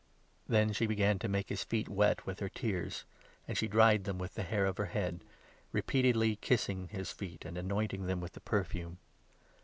38 Then she began to make his feet wet with her tears, and she dried them with the hair of her head, repeatedly ki sing his feet and anointing them with the perfume.